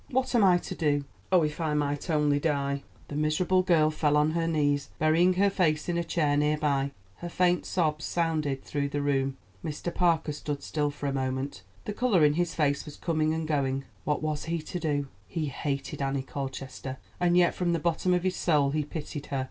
What am I to do? Oh, if I might only die!" The miserable girl fell on her knees, burying her face in a chair near by; her faint sobs sounded through the room. Mr. Parker stood still for a moment, the color in his face was coming and going. What was he to do? He hated Annie Colchester, and yet from the bottom of his soul he pitied her.